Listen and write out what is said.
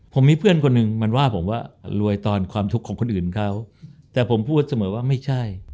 ผมมีเพื่อนคนหนึ่งมันว่าผมว่ารวยตอนความทุกข์ของคนอื่นเขาแต่ผมพูดเสมอว่าไม่ใช่